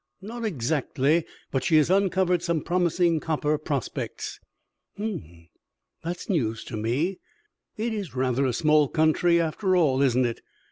"Not exactly, but she has uncovered some promising copper prospects." "H'm! That is news to me. It is rather a small country, after all, isn't it?"